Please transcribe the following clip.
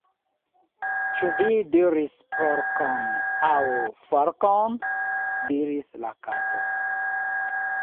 "Ĉu vi diris porkon, aŭ forkon?" diris la Kato.